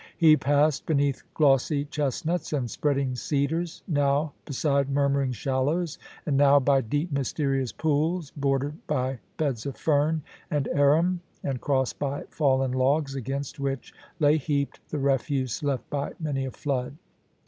He passed beneath glossy chestnuts and spread ing cedars, now beside murmuring shallows, and now by deep, mysterious pools, bordered by beds of fern and arum and crossed by fallen logs, against which lay heaped the refuse left by many a flood.